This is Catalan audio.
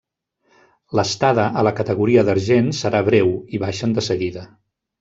L'estada a la categoria d'argent serà breu, i baixen de seguida.